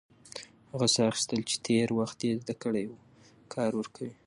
هغه ساه اخیستل چې تېر وخت يې زده کړی و، کار ورکوي.